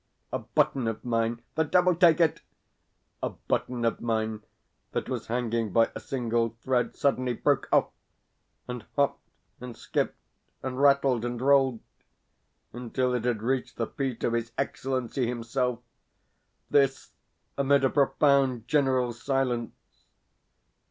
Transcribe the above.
A button of mine the devil take it! a button of mine that was hanging by a single thread suddenly broke off, and hopped and skipped and rattled and rolled until it had reached the feet of his Excellency himself this amid a profound general silence!